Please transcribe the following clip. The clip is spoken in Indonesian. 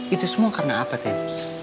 itu semua karena apa ted